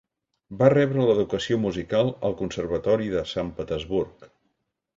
Va rebre l'educació musical al Conservatori de Sant Petersburg.